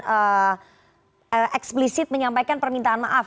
eksplisit menyampaikan permintaan maaf